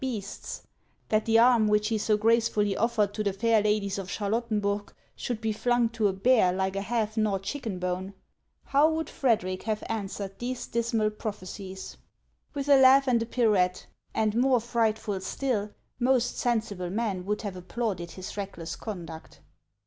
297 beasts ; that the arm which he so gracefully offered to the fair ladies of Charlottenburg should be flung to a bear like a half gnawed chicken bone, — how would Frederic have answered these dismal prophecies ? With a laugh and a pirouette ; and, more frightful still, most sensible men would have applauded his reckless conduct.